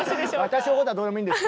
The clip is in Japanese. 私のことはどうでもいいんです！